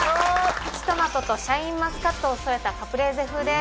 プチトマトとシャインマスカットを添えたカプレーゼ風です。